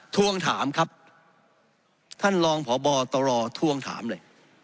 ทวงถามครับท่านรองพบตรทวงถามเลย